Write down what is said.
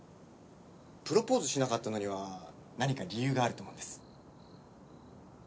プロポーズしなかったのには何か理由があると思うんです。